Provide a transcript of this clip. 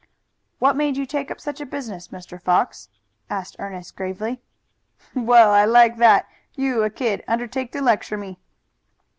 "What made you take up such a business, Mr. Fox?" asked Ernest gravely. "Well, I like that! You, a kid, undertake to lecture me."